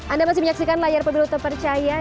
anda masih menyaksikan layar pemilu terpercaya